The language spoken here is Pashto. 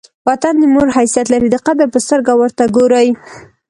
وطن د مور حیثیت لري؛ د قدر په سترګه ور ته ګورئ!